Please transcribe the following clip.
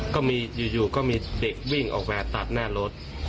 ก็มีอยู่ก็มีเด็กวิ่งออกมาตัดหน้ารถ